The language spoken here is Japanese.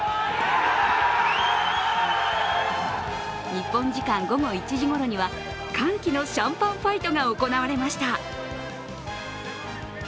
日本時間午後１時ごろには歓喜のシャンパンファイトが行われました。